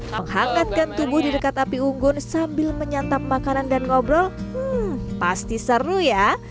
menghangatkan tubuh di dekat api unggun sambil menyantap makanan dan ngobrol pasti seru ya